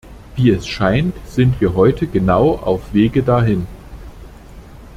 Wie es scheint, sind wir heute genau auf Wege dahin.